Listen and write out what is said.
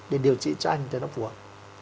để điều trị cho anh cho nó phù hợp